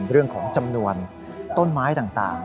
เรื่องของจำนวนต้นไม้ต่าง